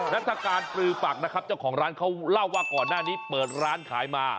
นัฐการปลือฝักนะครับเจ้าของร้านเขาเล่าว่าก่อนหน้านี้เปิดร้านขายมา